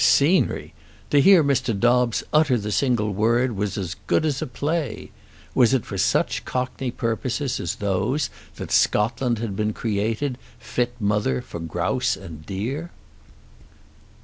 Scenery! To hear Mr. Dobbes utter the single word was as good as a play. Was it for such cockney purposes as those that Scotland had been created, fit mother for grouse and deer?